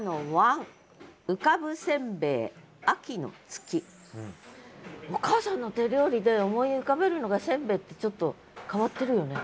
次はお母さんの手料理で思い浮かべるのがせんべいってちょっと変わってるよね。